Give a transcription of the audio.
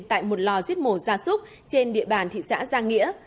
tại một lò giết mổ ra súc trên địa bàn thị xã giang nghĩa